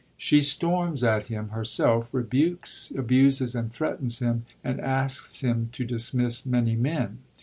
She storms at him herself, rebukes, abuses and threatens him, and asks him to dismiss many men.